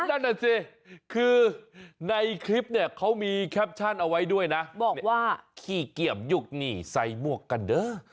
นั่นน่ะสิคือในคลิปเนี่ยเขามีแคปชั่นเอาไว้ด้วยนะบอกว่าขี้เกียบยุคนี้ใส่หมวกกันเด้อ